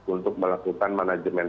untuk melakukan manajemen